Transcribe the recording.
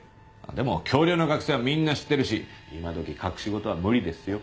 でも京陵の学生はみんな知ってるし今どき隠し事は無理ですよ。